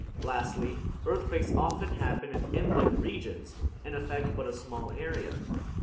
Lastly, earthquakes often happen in inland regions, and affect but a small area.